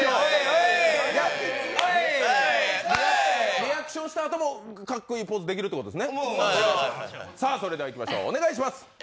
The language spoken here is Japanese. リアクションしたあともかっこいいポーズできるってことですね。